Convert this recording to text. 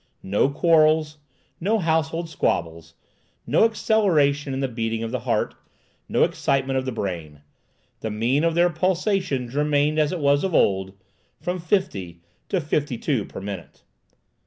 No quarrels, no household squabbles, no acceleration in the beating of the heart, no excitement of the brain. The mean of their pulsations remained as it was of old, from fifty to fifty two per minute.